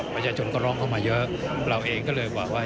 ประชาชนก็ร้องเข้ามาเยอะเราเองก็เลยบอกว่า